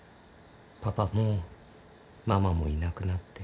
パパもママもいなくなって。